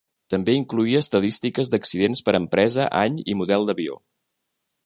També incloïa estadístiques d'accidents per empresa, any i model d'avió.